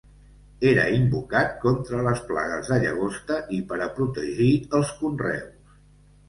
Era invocat contra les plagues de llagosta i per a protegir els conreus.